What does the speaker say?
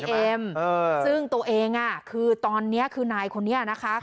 กำไรอีเอ็มเออซึ่งตัวเองอ่ะคือตอนเนี้ยคือนายคนนี้อ่ะนะคะ